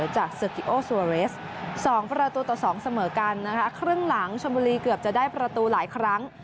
จากเซอร์กิโอซัวเรส๒ประตูต่อสองเสมอกันนะคะครึ่งหลังชนบุรีเกือบจะได้ประตูหลายครั้ง